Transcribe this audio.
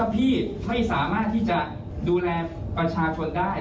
พี่ไม่สามารถที่จะดูแลประชาชนได้